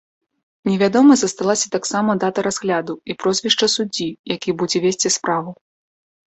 Невядомай засталася таксама дата разгляду і прозвішча суддзі, які будзе весці справу.